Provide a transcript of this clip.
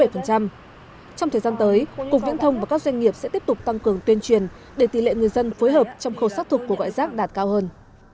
trong thời gian tới cục viễn thông và các doanh nghiệp sẽ tiếp tục tăng cường tuyên truyền để tỷ lệ người dân phối hợp trong khâu xác thực cuộc gọi rác đạt cao hơn